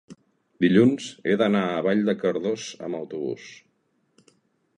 dilluns he d'anar a Vall de Cardós amb autobús.